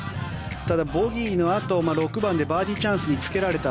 ただボギーのあと６番でバーディーにつけられた。